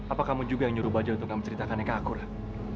apa kamu juga yang nyuruh baja untuk kamu ceritakannya ke aku rah